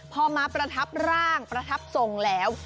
พอมาประทับร่างประทับทรงแล้ว